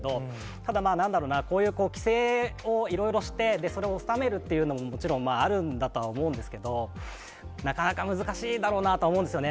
ただ、なんだろうな、こういう規制をいろいろして、それをおさめるということももちろんあるんだとは思うんですけど、なかなか難しいだろうなとは思うんですよね。